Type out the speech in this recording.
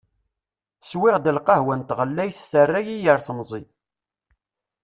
Swiɣ-d lqahwa n tɣellayt terra-yi ar temẓi.